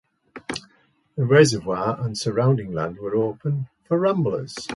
The reservoir and surrounding land are open for ramblers.